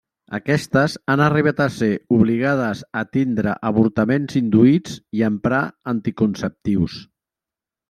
Aquestes han arribat a ser obligades a tindre avortaments induïts i a emprar anticonceptius.